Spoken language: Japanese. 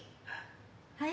はい？